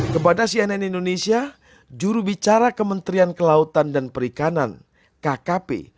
kepada cnn indonesia jurubicara kementerian kelautan dan perikanan kkp